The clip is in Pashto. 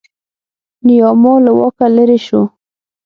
نیاما له واکه لرې شو.